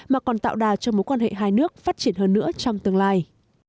mà còn tạo đà cho mối quan hệ hai nước phát triển hơn nữa trong tương lai